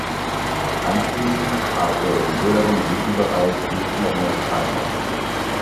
Anschließend trat er im höheren Ligenbereich nicht mehr in Erscheinung.